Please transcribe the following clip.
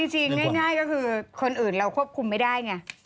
ง่ายก็คือคนอื่นเราควบคุมไม่ได้ไง